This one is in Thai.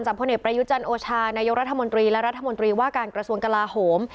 จังห์ผู้เนี่ยประยุจันทร์โอชานัยยกรรศมนตรีและรัฐมนตรีว่าการกระชวนกลาหม